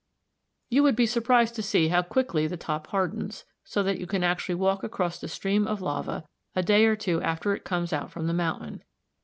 ] You would be surprised to see how quickly the top hardens, so that you can actually walk across a stream of lava a day or two after it comes out from the mountain.